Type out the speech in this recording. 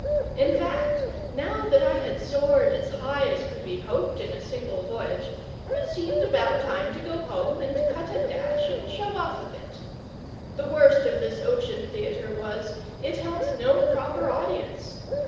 In fact, now that I had soared as high as could be hoped in a single voyage, it seemed about time to go home and cut a dash and show off a bit. The worst of this ocean theatre was, it held no proper audience.